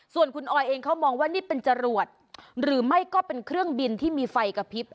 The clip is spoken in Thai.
ส่วนคุณออยเองเขามองว่านี่เป็นจรวดหรือไม่ก็เป็นเครื่องบินที่มีไฟกระพริบ